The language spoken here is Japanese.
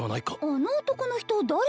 あの男の人誰よ。